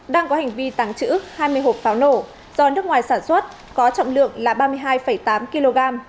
đang có hành vi tàng trữ hai mươi hộp pháo nổ do nước ngoài sản xuất có trọng lượng là ba mươi hai tám kg